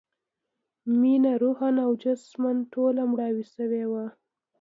مينه روحاً او جسماً ټوله مړاوې شوې وه